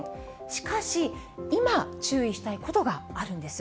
しかし、今、注意したいことがあるんです。